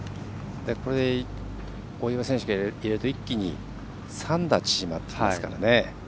これで大岩選手が入れると一気に３打縮まりますからね。